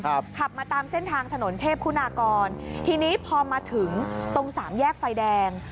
ขับมาตามเส้นทางถนนเทพคุณากรทีนี้พอมาถึงตรงสามแยกไฟแดง